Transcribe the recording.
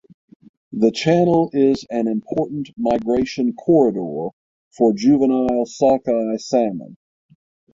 The channel is an important migration corridor for juvenile sockeye salmon.